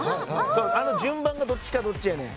あの順番がどっちかどっちやねん。